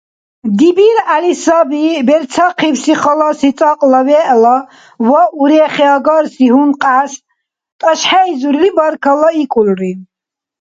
ДибиргӀяли саби берцахъибси халаси цӀакьла вегӀ ва урехиагарси гьункьяс тӀашхӀейзурли баркаллаикӀулри.